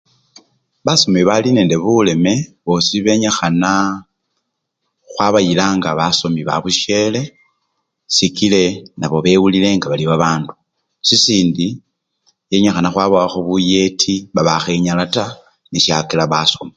basomi bali nende buleme bosi benyihana khwabayila nga basomi babushele sikile nabo bewulile nga bali babandu, sisindi, enyikhana khwabawaho buyeti babakhenyala taa neshakila basoma